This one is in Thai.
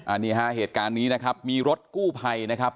อันนี้ฮะเหตุการณ์นี้นะครับมีรถกู้ภัยนะครับ